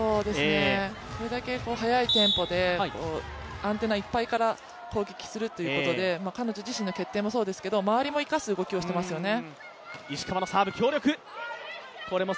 これだけ速いテンポでアンテナいっぱいから攻撃するということで彼女自身の決定もそうですけど周りも生かす動きをしてますよね。